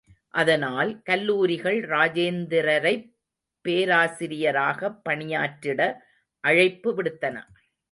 அதனால், கல்லூரிகள் ராஜேந்திரரைப் பேராசிரியராகப் பணியாற்றிட அழைப்பு விடுத்தன.